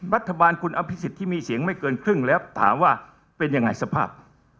รัฐบาลคุณอภิษฎที่มีเสียงไม่เกินครึ่งแล้วถามว่าเป็นยังไงสภาพ